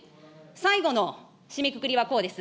最後の締めくくりはこうです。